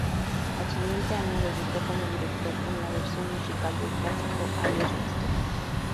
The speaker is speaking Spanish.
Al siguiente año, debutó como director con la versión musical del clásico "Adiós, Mr.